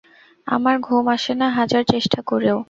আমার ঘুম আসে না হাজার চেষ্টা করেও।